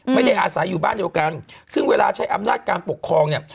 ไม่ได้อาศัยอยู่บ้านเดียวกันซึ่งเวลาใช้อำนาจการปกครองเนี่ย